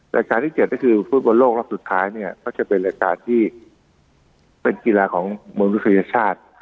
รายการที่๗ก็คือฟุตบอลโลกรอบสุดท้ายเนี่ยก็จะเป็นรายการที่เป็นกีฬาของมนุษยชาติ